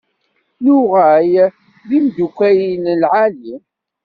Nuɣal d timdukal n lɛali.